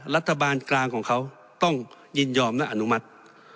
รัฐบาลกลางของเขาต้องยินยอมและอนุมัติ